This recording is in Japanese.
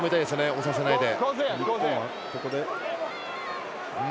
押させないで。